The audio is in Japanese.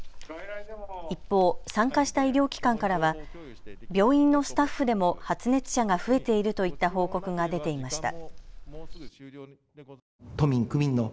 一方、参加した医療機関からは病院のスタッフでも発熱者が増えているといった報告が出ていました。